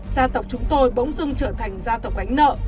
gia tộc chúng tôi bỗng dưng trở thành gia tộc gánh nợ